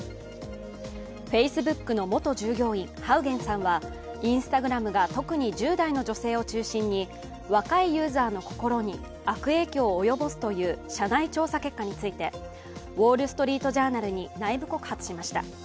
Ｆａｃｅｂｏｏｋの元従業員ハウゲンさんはＩｎｓｔａｇｒａｍが特に１０代の女性を中心に若いユーザーの心に悪影響を及ぼすという社内調査結果について「ウォール・ストリート・ジャーナル」に内部告発しました。